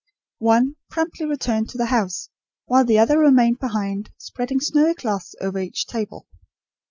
One, promptly returned to the house; while the other remained behind, spreading snowy cloths over each table.